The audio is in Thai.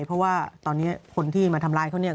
เพราะว่าตอนนี้คนที่มาทำร้ายเขาเนี่ย